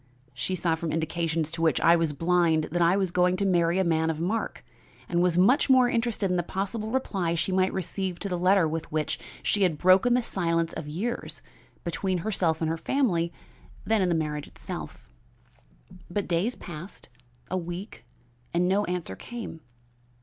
She saw from indications to which I was blind that I was going to marry a man of mark, and was much more interested in the possible reply she might receive to the letter with which she had broken the silence of years between herself and her family than in the marriage itself. "But days passed, a week, and no answer came.